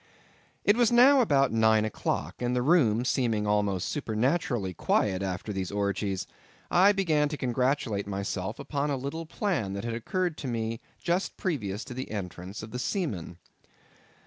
It was now about nine o'clock, and the room seeming almost supernaturally quiet after these orgies, I began to congratulate myself upon a little plan that had occurred to me just previous to the entrance of the seamen.